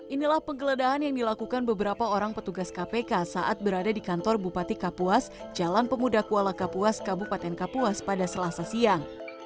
inilah penggeledahan yang dilakukan beberapa orang petugas kpk saat berada di kantor bupati kapuas jalan pemuda kuala kapuas kabupaten kapuas pada selasa siang